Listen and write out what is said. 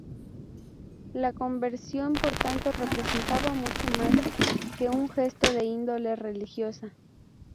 La conversión, por tanto, representaba mucho más que un gesto de índole religiosa.